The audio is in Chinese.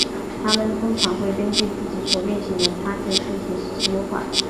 它们通常会根据自己所运行的插件进行实时优化。